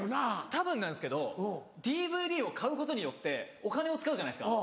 多分なんですけどＤＶＤを買うことによってお金を使うじゃないですか。